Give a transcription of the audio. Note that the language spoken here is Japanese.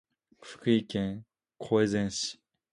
福井県越前市